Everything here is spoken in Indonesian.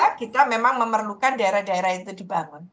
karena kita memang memerlukan daerah daerah itu dibangun